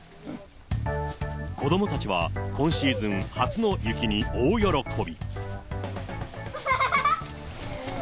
子どもたちは、今シーズン初の雪に大喜び。